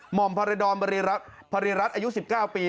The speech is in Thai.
หม่อมพระริดอมบริรัตน์พระริรัตน์อายุ๑๙ปี